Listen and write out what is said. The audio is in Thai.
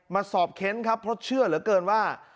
มาสอบเค้นครับเพราะเชื่อเหลือเกินว่า